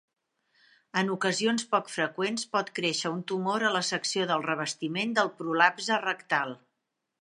En ocasions poc freqüents, pot créixer un tumor a la secció del revestiment del prolapse rectal.